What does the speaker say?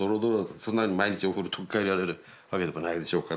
そんなに毎日お風呂取り替えられるわけでもないでしょうから。